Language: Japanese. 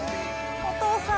お父さん。